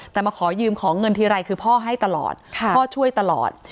แต่มาขอยืมของเงินทีไรคือพ่อให้ตลอดพ่อช่วยตลอด